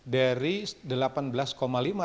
dari usia yang pertama